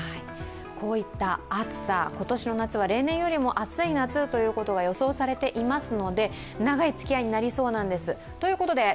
こういった暑さ、今年の夏は例年よりも暑い夏ということが予想されていますので長いつきあいになりそうなんです。